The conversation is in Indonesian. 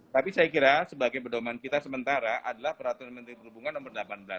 tapi saya kira sebagai perdomaan kita sementara adalah peraturan kementerian perhubungan nomor delapan belas